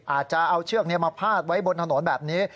อาจจะเอาเชือกมาพาดไว้บนถนนแบบนี้